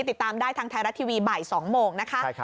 ติดตามได้ทางไทยรัฐทีวีบ่าย๒โมงนะคะ